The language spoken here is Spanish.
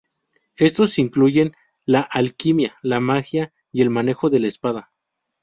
Estos incluyen la alquimia, la magia y el manejo de la espada.